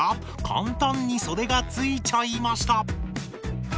簡単にそでが付いちゃいました。